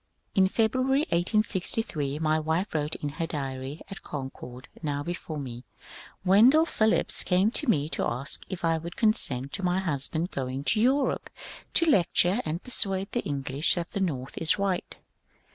In February, 1863, my wife wrote in her diary at Concord now before me :^ Wendell Phillips came to me to ask if I would consent to my husband going to Europe to lecture and per suade the English that the North is right.